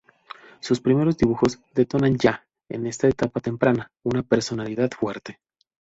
Sus primeros dibujos denotan ya, en esta etapa temprana, una personalidad fuerte.